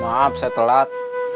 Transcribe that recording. maaf saya telat